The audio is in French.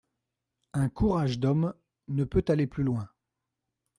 Un courage d'homme ne peut aller plus loin.